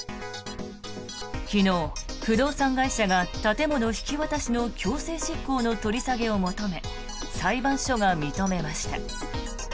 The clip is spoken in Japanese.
昨日、不動産会社が建物引き渡しの強制執行の取り下げを求め裁判所が認めました。